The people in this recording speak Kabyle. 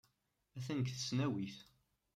Attan deg tesnawit.